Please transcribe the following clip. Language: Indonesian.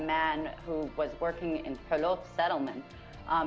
mereka hanya menyerang seorang orang yang bekerja di penyelamat di telof